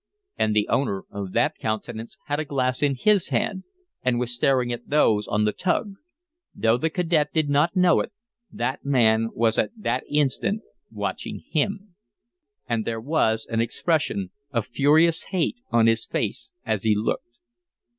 And the owner of that countenance had a glass in his hand and was staring at those on the tug. Though the cadet did not know it, that man was at that instant watching him. And there was an expression of furious hate on his face as he looked.